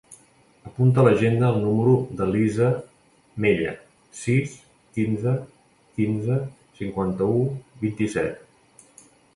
Apunta a l'agenda el número de l'Elisa Mella: sis, quinze, quinze, cinquanta-u, vint-i-set.